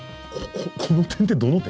この点ってどの点？